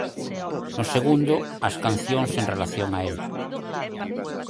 No segundo, as cancións en relación a el.